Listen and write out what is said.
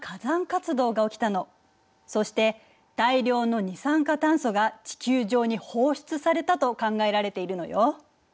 そして大量の二酸化炭素が地球上に放出されたと考えられているのよ。